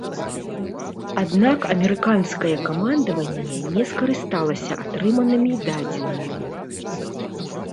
Аднак амерыканскае камандаванне не скарысталася атрыманымі дадзенымі.